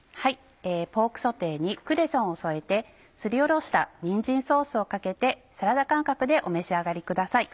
ポークソテーにクレソンを添えてすりおろしたにんじんソースをかけてサラダ感覚でお召し上がりください。